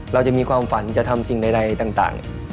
เราจะมีความฝันจะทำสิ่งใดต่าง